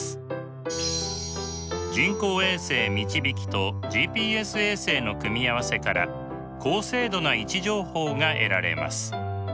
人工衛星みちびきとＧＰＳ衛星の組み合わせから高精度な位置情報が得られます。